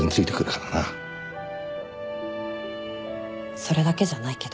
それだけじゃないけど。